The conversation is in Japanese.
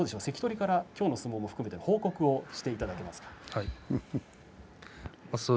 関取からきょうの相撲も含めていい報告していただけますか？